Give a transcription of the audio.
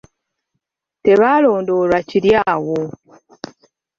Tebalondoolwa kiri awo.